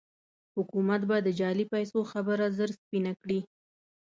حکومت به د جعلي پيسو خبره ژر سپينه کړي.